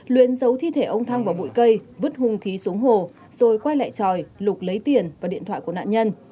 luyến giấu thi thể ông thăng vào bụi cây vứt hung khí xuống hồ rồi quay lại tròi lục lấy tiền và điện thoại của nạn nhân